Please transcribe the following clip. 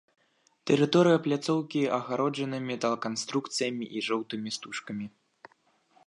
Тэрыторыя пляцоўкі агароджана металаканструкцыямі і жоўтымі стужкамі.